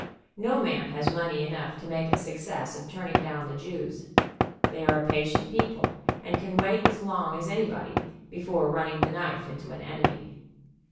No man has money enough to make a success of turning down the Jews. They are a patient people, and can wait as long as any body before running the knife into an enemy.